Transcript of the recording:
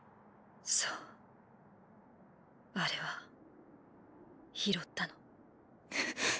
そうあれは拾ったの。